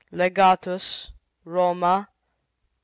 LEGATUS . ROMA .